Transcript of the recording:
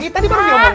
tadi baru diomongin